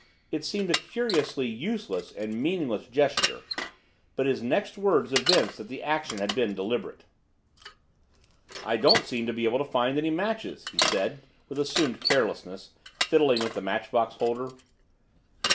It seemed a curiously useless and meaningless gesture, but his next words evinced that the action had been deliberate. "I don't seem to be able to find any matches " he said with assumed carelessness, fiddling with the matchbox holder.